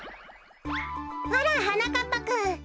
あらはなかっぱくん。